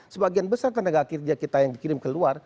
sebagian besar tenaga kerja kita yang dikirim ke luar